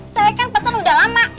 saya kan pesen udah lama